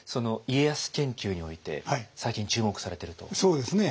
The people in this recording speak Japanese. そうですね。